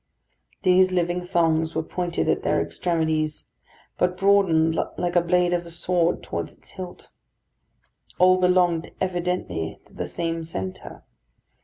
These living thongs were pointed at their extremities, but broadened like a blade of a sword towards its hilt. All belonged evidently to the same centre.